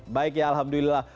baik ya alhamdulillah